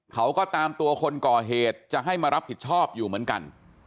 เขาก็ตามตัวคนก่อเหตุจะให้มารับผิดชอบอยู่เหมือนกัน